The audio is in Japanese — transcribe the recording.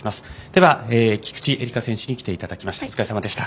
では、菊地絵理香選手に来ていただきました。